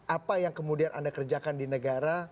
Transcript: apa yang kemudian anda kerjakan di negara